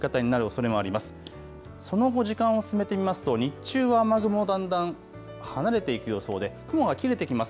その後、時間を進めてみますと日中は雨雲だんだん離れていく予想で雲が切れてきます。